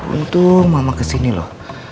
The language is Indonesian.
untung mama kesini loh